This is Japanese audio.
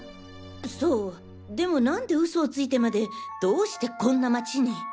そうでもなんで嘘をついてまでどうしてこんな町に。